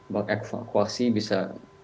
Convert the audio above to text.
buat evakuasi bisa